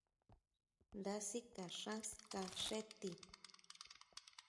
Nda sika xán ska xé tii.